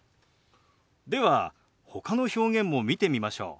ではほかの表現も見てみましょう。